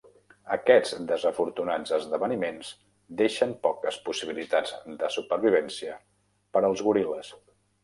Aquests desafortunats esdeveniments deixen poques possibilitats de supervivència per als goril·les.